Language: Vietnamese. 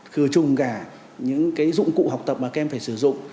khử trùng cả những dụng cụ học tập mà các em phải sử dụng